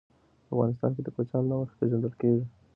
افغانستان د کوچیانو له مخي پېژندل کېږي.